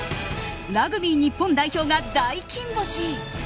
ラグビー日本代表が大金星。